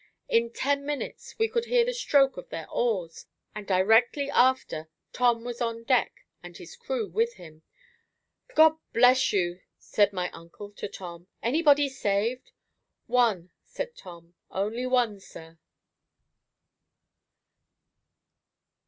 In ten minutes we could hear the stroke of their oars, and directly after Tom was on deck and his crew with him. "God bless you!" said my uncle to Tom; "anybody saved?" "One," said Tom; "only one, sir."